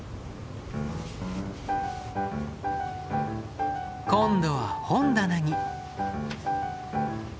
今度は本棚に。